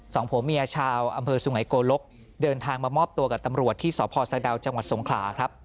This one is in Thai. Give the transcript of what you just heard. สองผัวเมียชาวอำเภอสุไงโกลกเดินทางมามอบตัวกับตำรวจที่สพสะดาวจังหวัดสงขลาครับ